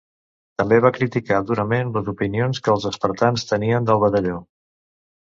També va criticar durament les opinions que els espartans tenien del Batalló.